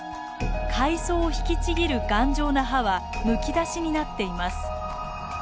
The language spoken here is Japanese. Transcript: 海藻を引きちぎる頑丈な歯はむき出しになっています。